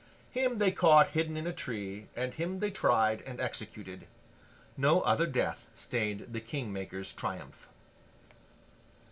Him they caught hidden in a tree, and him they tried and executed. No other death stained the King Maker's triumph.